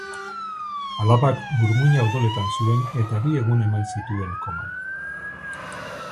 Alabak burmuina odoletan zuen eta bi egun eman zituen koman.